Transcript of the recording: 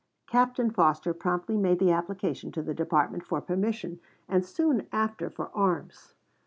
Captain Foster promptly made the application to the department for permission, and soon after for arms.